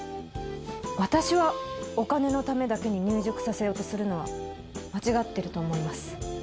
私はお金のためだけに入塾させようとするのは間違ってると思います。